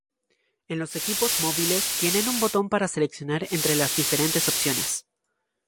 En los equipos móviles tienen un botón para seleccionar entre las diferentes opciones.